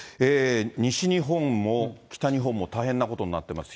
西日本も北日本も大変なことになっています。